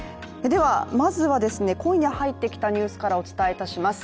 では、まずは今夜入ってきたニュースからお伝えいたします。